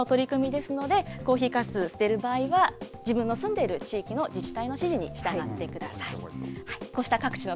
どこでもやってはだめでして、黒部市独自の取り組みですので、コーヒーかす捨てる場合は、自分の住んでいる自治体の指示に従ってください。